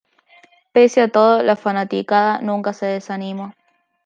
Pese a todo la fanaticada nunca se desanimó.